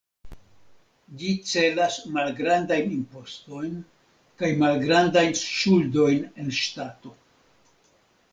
Ĝi celas malgrandajn impostojn kaj malgrandajn ŝuldojn en ŝtato.